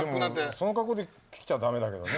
その格好で来ちゃダメだけどね